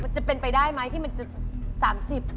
จะเป็นไปได้ไหมที่มันจะ๓๐